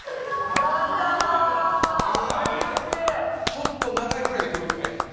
ちょっと長いぐらいで来るんですね。